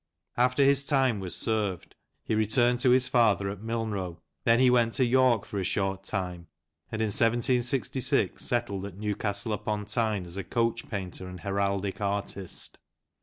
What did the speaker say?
After his time was served, he returned to his father at Milnrow ; then he went to York for a short time, and in 1766 settled at Newcastle upon Tyne as a coach painter and heraldic artist.